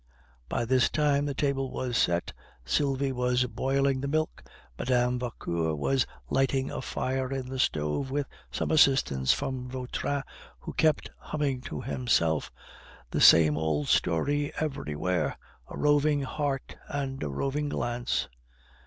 By this time the table was set. Sylvie was boiling the milk, Mme. Vauquer was lighting a fire in the stove with some assistance from Vautrin, who kept humming to himself: "The same old story everywhere, A roving heart and a roving glance."